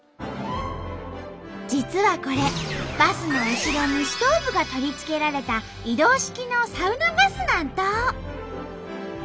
実はこれバスの後ろにストーブが取り付けられた移動式のサウナバスなんと！